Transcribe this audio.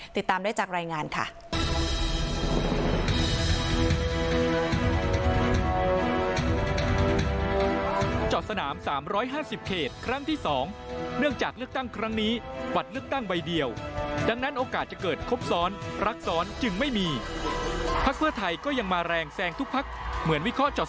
ติดตามได้จากรายงานค่ะ